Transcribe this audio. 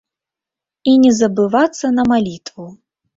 І не забывацца на малітву.